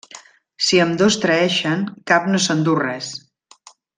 Si ambdós traeixen, cap no s'endú res.